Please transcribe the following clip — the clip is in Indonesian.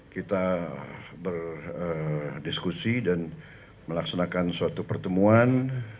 kita berdiskusi dan melaksanakan suatu pertemuan